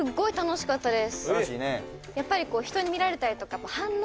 やっぱり人に見られたりとか反応